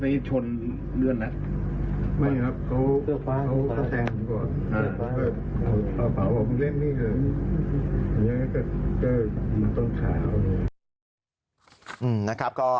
อันนี้ก็ยิงต้นขาวเลย